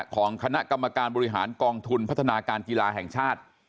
ของคณะกรรมการบริหารกองทุนพัฒนาการกีฬาแห่งชาติ